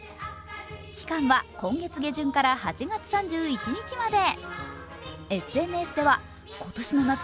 期間は今月下旬から８月３１日まで。